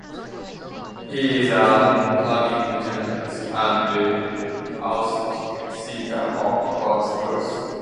He is a loving, generous, and authentic seeker of God's truth.